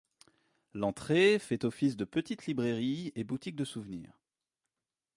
L'entrée fait office de petite librairie et boutique de souvenirs.